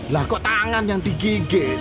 lah kok tangan yang digigit